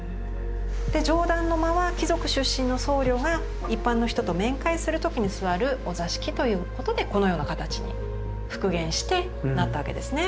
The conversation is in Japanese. で上段の間は貴族出身の僧侶が一般の人と面会する時に座るお座敷ということでこのような形に復元してなったわけですね。